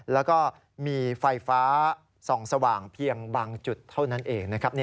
แล้วก็มีไฟฟ้าส่องสว่างเพียงบางจุดเท่านั้นเองนะครับ